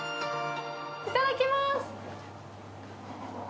いただきまーす。